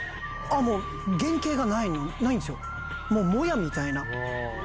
もう原形がないんですよもやみたいな。